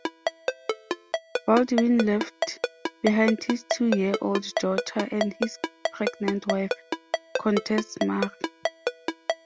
Baldwin left behind his two-year-old daughter and his pregnant wife, Countess Marie.